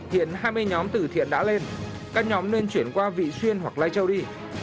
hiện hai mươi nhóm từ thiện đã lên các nhóm nên chuyển qua vị xuyên hoặc lai châu đi